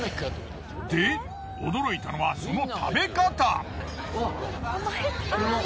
で驚いたのはその食べ方。